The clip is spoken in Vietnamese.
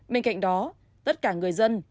bên cạnh đó tất cả người dân